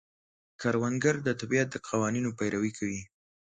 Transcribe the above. کروندګر د طبیعت د قوانینو پیروي کوي